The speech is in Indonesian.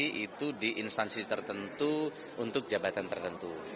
itu di instansi tertentu untuk jabatan tertentu